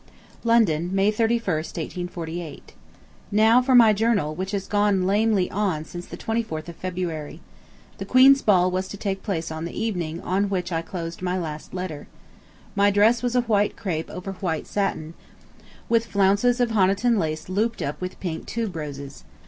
LONDON, May 31, 1848. ... Now for my journal, which has gone lamely on since the 24th of February. The Queen's Ball was to take place the evening on which I closed my last letter. My dress was a white crêpe over white satin, with flounces of Honiton lace looped up with pink tuberoses.